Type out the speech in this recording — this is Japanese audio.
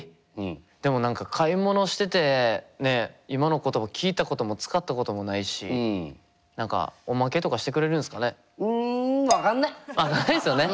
でも何か買い物しててねっ今の言葉聞いたことも使ったこともないし何か分かんないですよね。